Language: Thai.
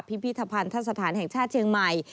พิพิธภัณฑสถานแห่งชาติเชียงใหม่